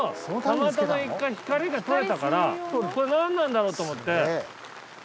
たまたま一回光が撮れたから何なんだろうと思って。